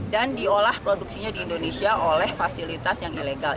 diolah produksinya di indonesia oleh fasilitas yang ilegal